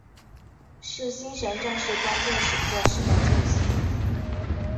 是星神战士关键时刻时的救星。